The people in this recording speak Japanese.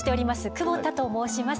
久保田と申します。